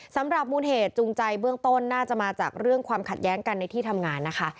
สำหรับมูลเหตุจูงใจเบื้องต้นน่าจะมาจากเรื่องความขัดแย้งกันในที่ทำงานนะคะ